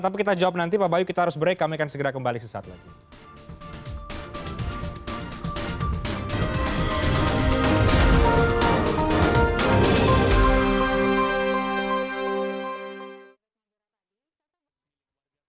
tapi kita jawab nanti pak bayu kita harus break kami akan segera kembali sesaat lagi